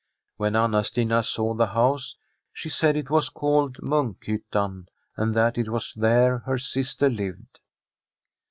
When Anna Stina saw the house, she said it was called Munk hyttan, and that it was there her sister lived.